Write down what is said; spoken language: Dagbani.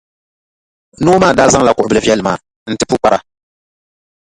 Noo maa daa zaŋla kuɣʼ bilʼ viɛlli maa n-ti pukpara.